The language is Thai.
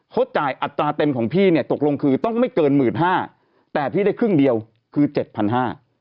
เขาจ่ายอัตราเต็มของพี่ตกลงคือต้องไม่เกิน๑๕๐๐๐บาทแต่พี่ได้ครึ่งเดียวคือ๗๕๐๐บาท